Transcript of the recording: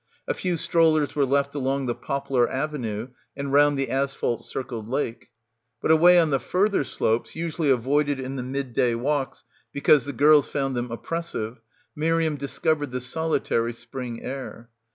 A few strollers were left along the poplar avenue and round the asphalt circled lake; but away on the further slopes usually avoided in the midday walks because the girls found them oppressive, Miriam discovered the solitary spring air.